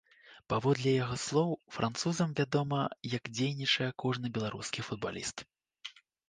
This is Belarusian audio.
Паводле яго слоў, французам вядома, як дзейнічае кожны беларускі футбаліст.